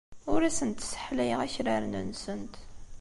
Ur asent-sseḥlayeɣ akraren-nsent.